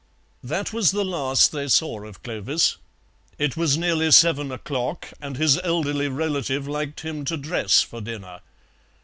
That was the last they saw of Clovis; it was nearly seven o'clock, and his elderly relative liked him to dress for dinner.